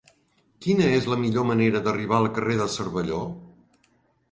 Quina és la millor manera d'arribar al carrer de Cervelló?